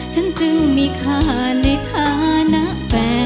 ฉันจึงมีค่าในฐานะแฟน